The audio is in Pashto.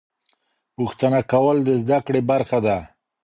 پوښتنه کول د زده کړې برخه ده.